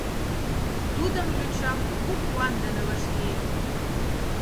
Тудым йоча кугу куан дене вашлие: